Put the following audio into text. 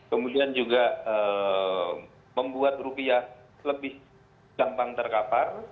kemudian juga membuat rupiah lebih gampang terkapar